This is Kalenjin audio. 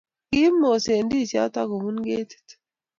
Kiib moset ndisiot agobun ketit